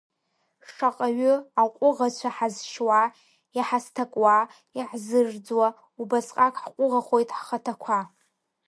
Шаҟаҩы аҟәыӷацәа ҳазшьуа, иаҳазҭакуа, иаҳзырӡуа, убасҟак ҳҟәыӷахоит ҳхаҭақәа.